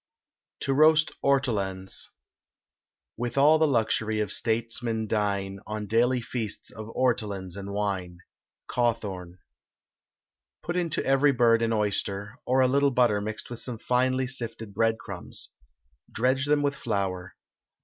TO ROAST ORTOLANS. With all the luxury of statesmen dine, On daily feasts of ortolans and wine. CAWTHORN. Put into every bird an oyster, or a little butter mixed with some finely sifted breadcrumbs. Dredge them with flour.